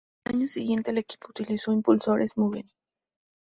Al año siguiente, el equipo utilizó impulsores Mugen.